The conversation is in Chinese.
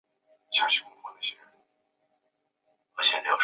墓地的正前方有一座以花岗岩砌成的纪念碑。